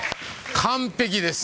完璧です